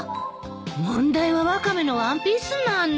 問題はワカメのワンピースなの。